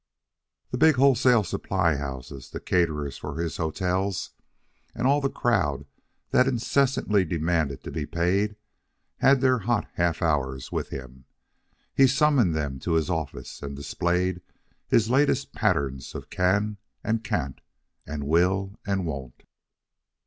The big wholesale supply houses, the caterers for his hotels, and all the crowd that incessantly demanded to be paid, had their hot half hours with him. He summoned them to his office and displayed his latest patterns of can and can't and will and won't.